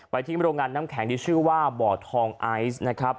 ที่โรงงานน้ำแข็งที่ชื่อว่าบ่อทองไอซ์นะครับ